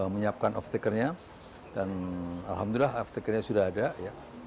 menyiapkan off takernya dan alhamdulillah off takernya sudah ada ya